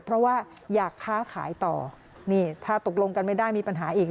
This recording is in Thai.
เพราะว่าอยากค้าขายต่อนี่ถ้าตกลงกันไม่ได้มีปัญหาอีก